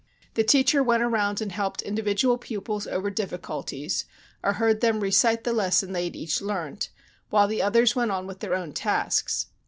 The teacher went around and helped individual pupils over difficulties, or heard them 'recite' the lesson they had each learnt, while the others went on with their own tasks.